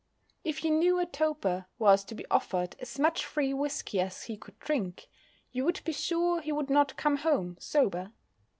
If you knew a toper was to be offered as much free whisky as he could drink, you would be sure he would not come home sober.